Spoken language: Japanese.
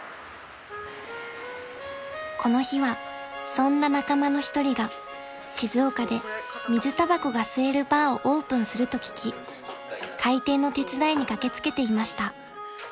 ［この日はそんな仲間の一人が静岡で水たばこが吸えるバーをオープンすると聞き開店の手伝いに駆け付けていました］